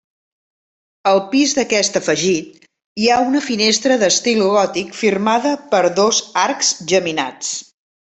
Al pis d'aquest afegit hi ha una finestra d'estil gòtic firmada per dos arcs geminats.